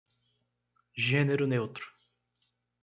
Gênero neutro